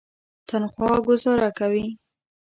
تنخوا ګوزاره کوي.